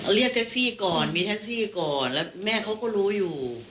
เรียกแท็กซี่ก่อนมีแท็กซี่ก่อนแล้วแม่เขาก็รู้อยู่